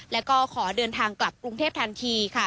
แล้วก็ขอเดินทางกลับกรุงเทพทันทีค่ะ